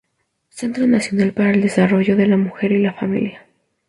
Centro Nacional para el desarrollo de la Mujer y la Familia.